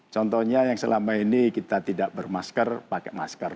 contohnya yang selama ini kita tidak bermasker pakai masker